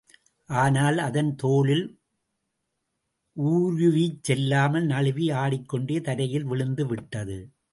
ஆனால், அதன் தோலில் ஊருவிச் செல்லாமல், நழுவி, ஆடிக்கொண்டே தரையில் விழுந்து விட்டது.